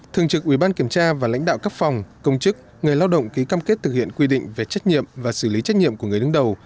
thường trực ủy ban kiểm tra và lãnh đạo cấp phòng công chức người lao động ký cam kết thực hiện quy định về trách nhiệm và xử lý trách nhiệm của người đứng đầu